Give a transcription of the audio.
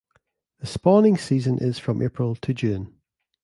The spawning season is from April to June.